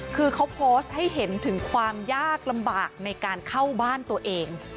คือเขาโพสต์ให้เห็นถึงความยากลำบากในการเข้าบ้านตัวเอง